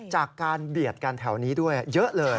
จากการเบียดกันแถวนี้ด้วยเยอะเลย